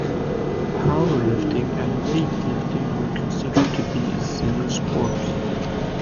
Powerlifting and weightlifting were considered to be a single sport.